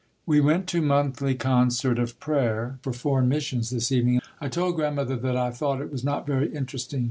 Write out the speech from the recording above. _ We went to Monthly Concert of prayer for Foreign Missions this evening. I told Grandmother that I thought it was not very interesting.